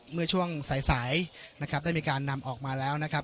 เมื่อช่วงสายสายนะครับได้มีการนำออกมาแล้วนะครับ